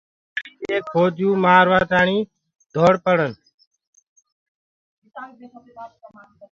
دو ڏوهآريٚ ايڪ ڦوجِيو ڪوُ مآروآ تآڻيٚ دوڙ پڙَن